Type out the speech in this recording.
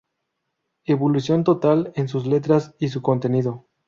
Evolución total en sus letras y su contenido.